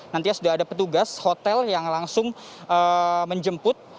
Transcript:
nantinya sudah ada petugas hotel yang langsung menjemput